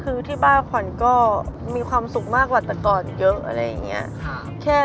คือที่บ้านขวัญมีความสุขมากมาตะกอ่อนเยอะ